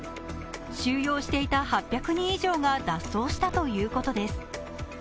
収容していた８００人以上が脱走したということです。